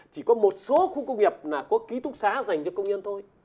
chỉ có một số khu công nghiệp là có ký túc xá dành cho công nhân thôi